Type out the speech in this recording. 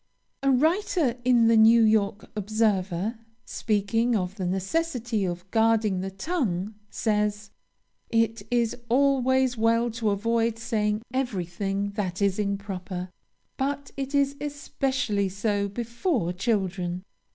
A writer in the New York Observer, speaking of the necessity of guarding the tongue, says: "It is always well to avoid saying everything that is improper; but it is especially so before children.